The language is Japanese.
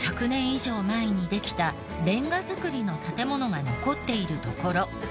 以上前にできたレンガ造りの建ものが残っているところ。